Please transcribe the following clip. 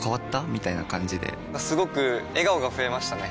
みたいな感じですごく笑顔が増えましたね！